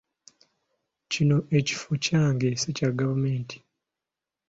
Kino ekifo kyange si kya Gavumenti.